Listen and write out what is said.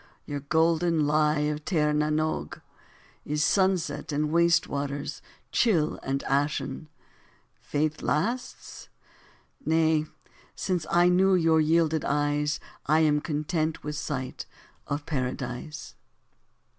your golden lie of Tir na n'Og Is sunset and waste waters, chill and ashen Faith lasts? Nay, since I knew your yielded eyes, I am content with sight .... of Paradise.